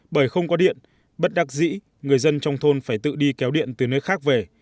bởi không có điện bất đắc dĩ người dân trong thôn phải tự đi kéo điện từ nơi khác về